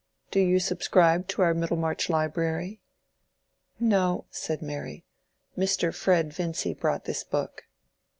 Do you subscribe to our Middlemarch library?" "No," said Mary. "Mr. Fred Vincy brought this book."